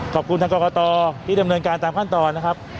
ขอบคุณทางกรกตที่ดำเนินการตามขั้นตอนนะครับ